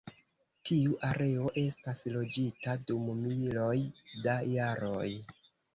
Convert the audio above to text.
Tiu areo estas loĝita dum miloj da jaroj.